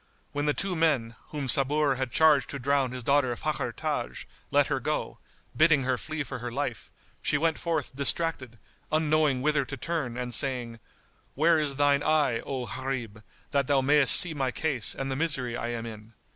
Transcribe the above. When the two men, whom Sabur had charged to drown his daughter Fakhr Taj, let her go, bidding her flee for her life, she went forth distracted, unknowing whither to turn and saying, "Where is thine eye, O Gharib, that thou mayst see my case and the misery I am in?"